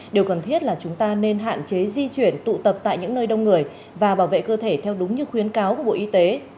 điều cần thiết là chúng ta nên hạn chế di chuyển tụ tập tại những nơi đông người và bảo vệ cơ thể theo đúng như khuyến cáo của bộ y tế